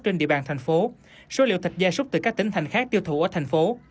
trên địa bàn thành phố số liệu thịt gia súc từ các tỉnh thành khác tiêu thụ ở thành phố